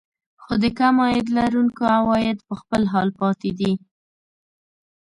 خو د کم عاید لرونکو عوايد په خپل حال پاتې دي